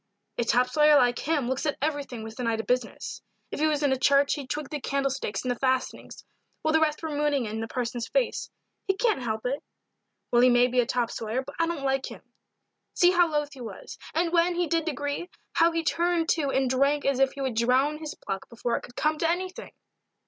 "A top sawyer like him looks at everything with an eye to business. If he was in a church he'd twig the candlesticks and the fastenings, while the rest were mooning into the parson's face he can't help it." "Well, he may be a top sawyer, but I don't like him. See how loth he was, and, when he did agree, how he turned to and drank as if he would drown his pluck before it could come to anything."